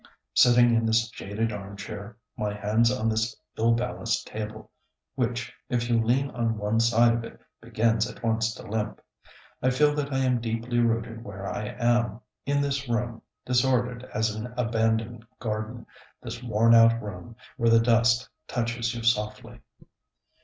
Sitting in this jaded armchair, my hands on this ill balanced table, which, if you lean on one side of it, begins at once to limp, I feel that I am deeply rooted where I am, in this old room, disordered as an abandoned garden, this worn out room, where the dust touches you softly.